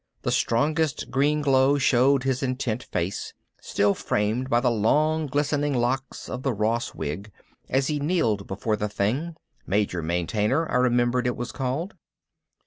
The strongest green glow showed his intent face, still framed by the long glistening locks of the Ross wig, as he kneeled before the thing Major Maintainer, I remembered it was called.